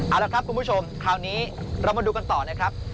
เอาละครับคุณผู้ชมคราวนี้เรามาดูกันต่อนะครับ